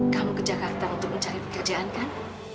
kamu ke jakarta untuk mencari pekerjaan kan